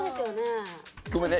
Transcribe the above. ごめんね。